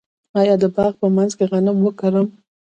آیا د باغ په منځ کې غنم وکرم؟